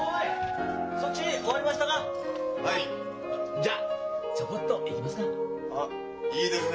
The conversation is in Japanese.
じゃあちょごっと行きますか？